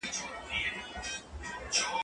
زه اوس ونې ته اوبه ورکوم!؟